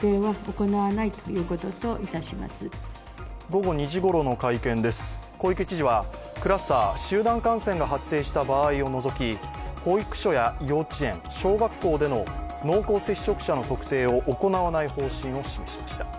午後２時ごろの会見です、小池知事はクラスター集団感染が発生した場合を除き保育所や幼稚園、小学校での濃厚接触者の特定を行わない方針を示しました。